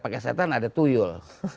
pakai setan ada tuyul